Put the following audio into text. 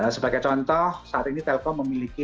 sebagai contoh saat ini telkom memiliki